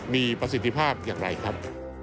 มีประสิทธิภาพอย่างไรครับ